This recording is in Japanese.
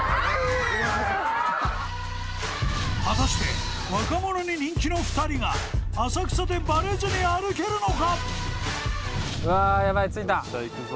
［果たして若者に人気の２人が浅草でバレずに歩けるのか？］